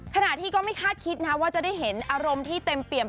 ขณะที่ก็ไม่คาดคิดนะว่าจะได้เห็นอารมณ์ที่เต็มเปี่ยม